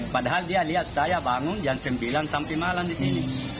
padahal dia lihat saya bangun jam sembilan sampai malam di sini